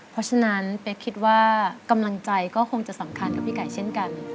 เพราะฉะนั้นเป๊กคิดว่ากำลังใจก็คงจะสำคัญกับพี่ไก่เช่นกัน